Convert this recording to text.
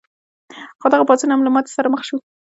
خو دغه پاڅون هم له ماتې سره مخ شو.